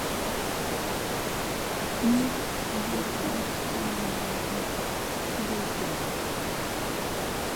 Mit ndinwe chinnu naa, ndi beeka.